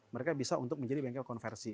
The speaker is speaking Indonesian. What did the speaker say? mereka bisa untuk menjadi bengkel konversi